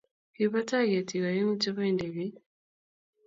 Kibo tai ketiik aeng'u chebo indegeit